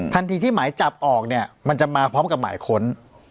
ที่หมายจับออกเนี่ยมันจะมาพร้อมกับหมายค้น